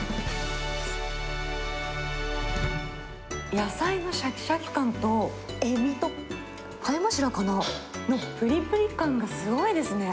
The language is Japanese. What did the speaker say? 野菜のしゃきしゃき感と、エビと貝柱かな、ぷりぷり感がすごいですね。